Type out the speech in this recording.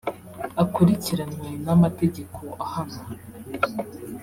akurikiranwe n’amategeko ahana